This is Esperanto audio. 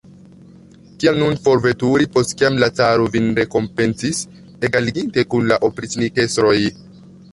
Kial nun forveturi, post kiam la caro vin rekompencis, egaliginte kun la opriĉnikestroj?